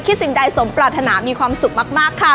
สิ่งใดสมปรารถนามีความสุขมากค่ะ